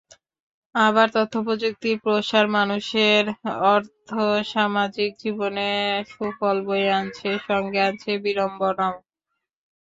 আবার তথ্যপ্রযুক্তির প্রসার মানুষের আর্থসমাজিক জীবনে সুফল বয়ে আনছে, সঙ্গে আনছে বিড়ম্বনাও।